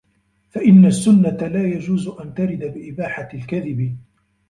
فَإِنَّ السُّنَّةَ لَا يَجُوزُ أَنْ تَرِدَ بِإِبَاحَةِ الْكَذِبِ